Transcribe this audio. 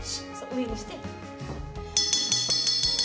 上にして。